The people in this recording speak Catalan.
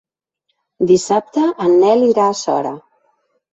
Dissabte en Nel irà a Sora.